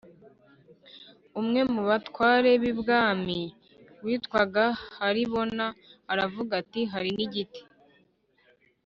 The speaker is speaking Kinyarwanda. Umwe mu batware b ibwamis witwaga Haribona aravuga ati hari n igiti